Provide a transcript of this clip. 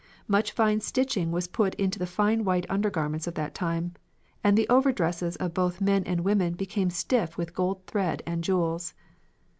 "Much fine stitching was put into the fine white undergarments of that time, and the overdresses of both men and women became stiff with gold thread and jewels.